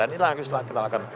dan inilah harus kita lakukan